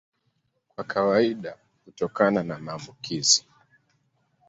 Kwa kawaida hutokana na maambukizi.